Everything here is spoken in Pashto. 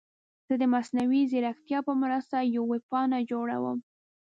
زه د مصنوعي ځیرکتیا په مرسته یوه ویب پاڼه جوړوم.